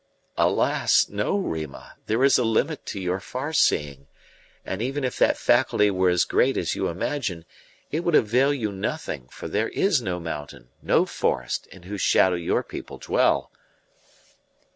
"Alas! no, Rima; there is a limit to your far seeing; and even if that faculty were as great as you imagine, it would avail you nothing, for there is no mountain, no forest, in whose shadow your people dwell."